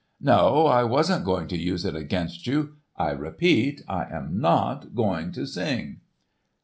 "No, I wasn't going to use it against you. I repeat, I am not going to sing."